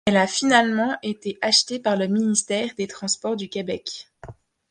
Elle a finalement été acheté par le ministère des Transports du Québec.